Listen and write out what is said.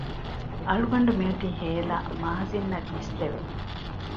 އަޅުގަނޑު މިއޮތީ ހޭލާ މާޒިން އަށް ގިސްލެވެ